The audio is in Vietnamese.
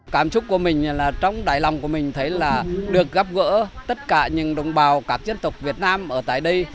cảm xúc của mình là trong đáy lòng của mình thấy là được gặp gỡ tất cả những đồng bào các dân tộc việt nam ở tại đây